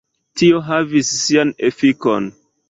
Tio havis sian efikon.